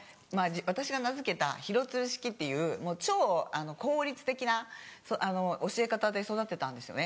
私が名付けたひろつる式っていう超効率的な教え方で育てたんですよね。